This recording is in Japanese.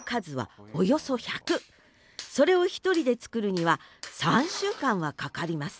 それを１人で作るには３週間はかかります